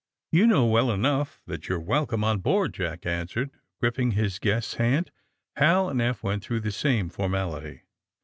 ; *^You know well enough that you are welcome on board," Jack answered, gripping his guest's hand. Hal and Eph went through the same for mality.